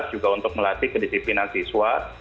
juga untuk melatih kedisiplinan siswa